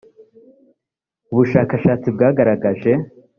ubu bushakashatsi bwagaragaje